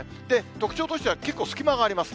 特徴としては結構隙間があります。